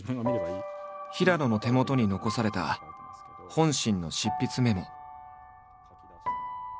平野の手元に残された「本心」の執筆メモ。